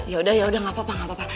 ya udah ya udah gapapa gapapa